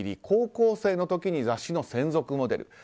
高校生の時に雑誌の専属モデル。